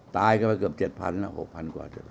ตายก็ไปเกือบ๗๐๐๐แล้ว๖๐๐๐กว่า